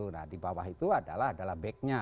nah di bawah itu adalah backnya